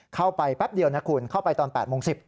แป๊บเดียวนะคุณเข้าไปตอน๘โมง๑๐